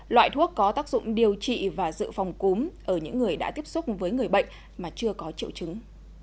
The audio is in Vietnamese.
loại thuốc có tác dụng điều trị và dự phòng cúm ở những người đã tiếp xúc với người bệnh mà chưa có triệu chứng